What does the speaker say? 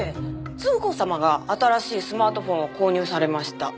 継子様が新しいスマートフォンを購入されました。